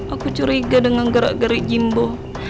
aku curiga dengan gerak gerik jimbo